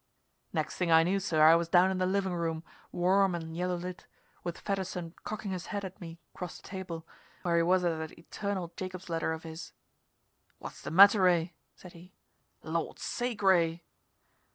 Next thing I knew, sir, I was down in the living room, warm and yellow lit, with Fedderson cocking his head at me across the table, where he was at that eternal Jacob's ladder of his. "What's the matter, Ray?" said he. "Lord's sake, Ray!"